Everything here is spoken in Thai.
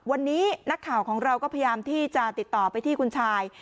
วันนี้นักข่าวของเราก็พยายามที่จะติดต่อไปที่คุณชาย